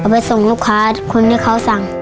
ไปส่งลูกค้าคนที่เขาสั่ง